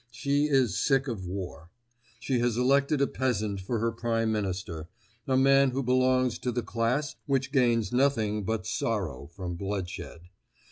She is sick of war. She has elected a peasant for her prime minister—a man who belongs to the class which gains nothing but sorrow from bloodshed.